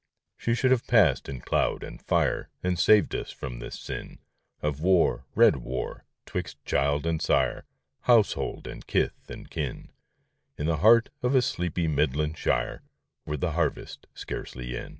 She should have passed in cloud and fire And saved us from this sin Of war — red Avar — 'twixt child and sire, Household and kith and kin, In the heart of a sleepy Midland shire, With the harvest scarcely in.